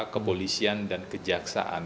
kepolisian dan kejaksaan